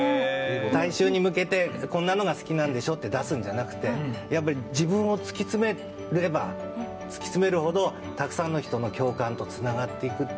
世界中に向けて、こんなのが好きと出すのではなくて自分を突き詰めれば突き詰めるほど、たくさんの人の共感とつながっていくと。